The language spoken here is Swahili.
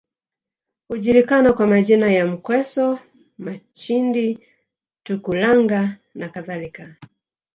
Hujulikana kwa majina ya Mkweso Machindi Tukulanga nakadhalika